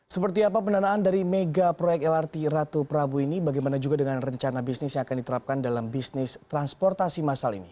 seperti apa pendanaan dari mega proyek lrt ratu prabu ini bagaimana juga dengan rencana bisnis yang akan diterapkan dalam bisnis transportasi masal ini